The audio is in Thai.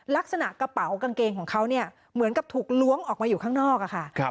ลักษณะกระเป๋ากางเกงของเขาเนี่ยเหมือนกับถูกล้วงออกมาอยู่ข้างนอกค่ะ